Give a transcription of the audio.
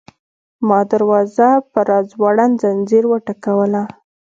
ما دروازه په راځوړند ځنځیر وټکوله.